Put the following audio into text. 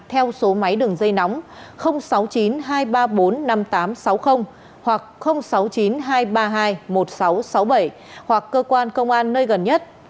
theo số máy đường dây nóng sáu mươi chín hai trăm ba mươi bốn năm nghìn tám trăm sáu mươi hoặc sáu mươi chín hai trăm ba mươi hai một nghìn sáu trăm sáu mươi bảy hoặc cơ quan công an nơi gần nhất